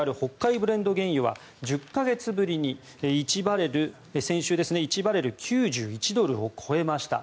ブレント原油は１０か月ぶりに先週、１バレル＝９１ドルを超えました。